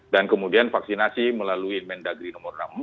dan kemudian vaksinasi melalui mendagri nomor enam puluh empat